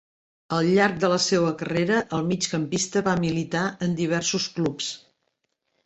Al llarg de la seua carrera, el migcampista va militar en diversos clubs.